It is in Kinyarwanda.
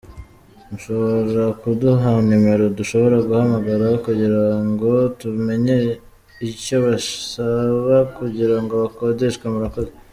Mushoborakunduhanimero ndushobora guhamangaraho kugirango tumenyeicyobasabakugirango akondeshwe murakoze